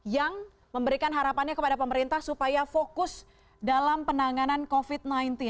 yang memberikan harapannya kepada pemerintah supaya fokus dalam penanganan covid sembilan belas